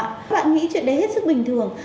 các bạn nghĩ chuyện đấy hết sức bình thường